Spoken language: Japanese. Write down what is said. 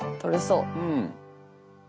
うん。